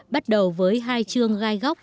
bắt đầu với hai chương gai góc